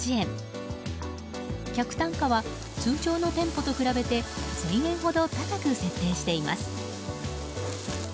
客単価は、通常の店舗と比べて１０００円ほど高く設定しています。